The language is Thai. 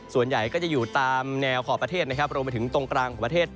ส่วนใหญ่ก็จะอยู่ตามแนวขอบประเทศนะครับรวมไปถึงตรงกลางของประเทศ